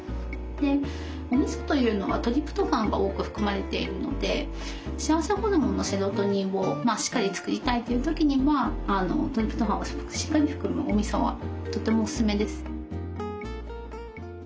でおみそというのはトリプトファンが多く含まれているので幸せホルモンのセロトニンをしっかり作りたいっていう時にはトリプトファンをしっかり含むおみそはとてもおすすめです。